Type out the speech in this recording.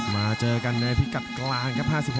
มาเจอกันในพิกัดกลางครับ